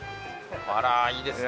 あらいいですね。